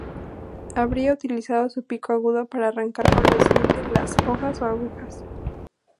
Habría utilizado su pico agudo para arrancar con los dientes las hojas o agujas.